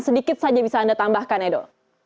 sedikit saja bisa anda tambahkan edo